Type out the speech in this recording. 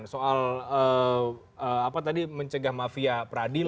soal apa tadi mencegah mafia peradil